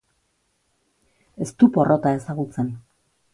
Ez du porrota ezagutzen.